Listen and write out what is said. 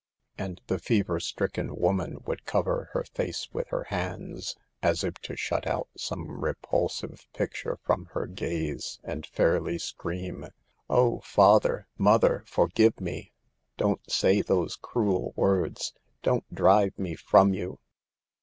And the fever stricken woman would cover her face with her hands, as if to shut out some repulsive picture from her gaze, and fairly scream : u Oh, father, mother, forgive me! Don't say those cruel words, don't drive me from you!"